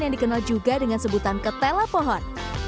yang dikenal juga dengan sebutan ketela pohon